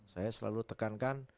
saya selalu tekankan